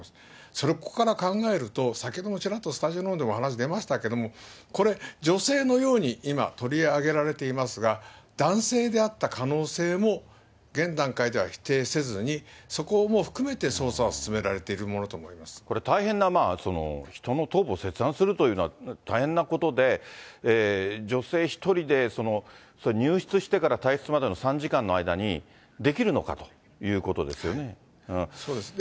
そこから考えると先ほどもちらっとスタジオのほうでもお話出ましたけれども、これ、女性のように今取り上げられていますが、男性であった可能性も現段階では否定せずに、そこも含めて捜査をこれ、大変な、人の頭部を切断するというのは、大変なことで、女性１人で、入室してから退室までの３時間の間に、できるのかということですそうですね。